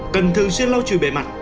cần thường xuyên lau chùi bề mặt